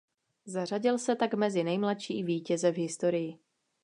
Zařadil se tak mezi nejmladší vítěze v historii.